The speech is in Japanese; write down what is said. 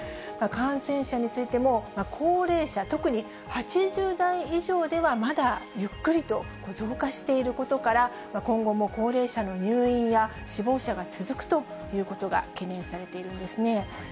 感染者についても、高齢者、特に８０代以上ではまだゆっくりと増加していることから、今後も高齢者の入院や、死亡者が続くということが懸念されているんですね。